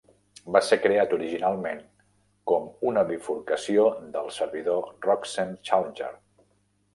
Va ser creat originalment com una bifurcació del servidor Roxen Challenger.